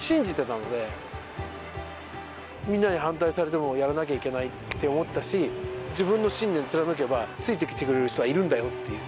今はみんなに反対されてもやらなきゃいけないって思ったし自分の信念貫けばついてきてくれる人はいるんだよっていう。